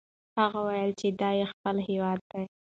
هغه وویل چې دا یې خپل هیواد دی.